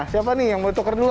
siapa nih yang mau di tukar dulu